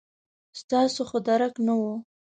ستاسو خو درک نه و.